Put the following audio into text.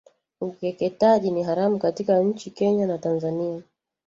Ukeketaji ni haramu katika nchi Kenya na Tanzania